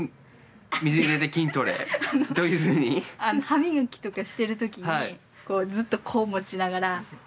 歯磨きとかしてる時にずっとこう持ちながら。